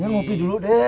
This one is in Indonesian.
ya ngopi dulu de